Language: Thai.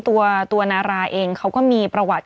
ตัวนาราเองเขาก็มีประวัติ